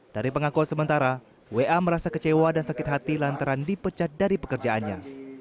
dari pengakuan sementara wa merasa kecewa dan sakit hati lantaran dipecat dari pekerjaannya